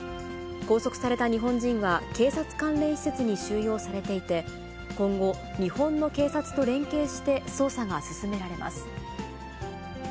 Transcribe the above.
拘束された日本人は警察関連施設に収容されていて、今後、日本の警察と連携して捜査が進められます。